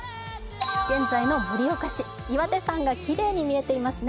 現在の盛岡市、岩手山がきれいに見えていますね。